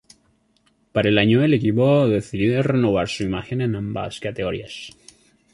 Para el año el equipo decide renovar su imagen en ambas categorías.